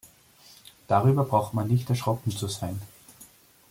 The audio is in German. Darüber braucht man nicht erschrocken zu sein.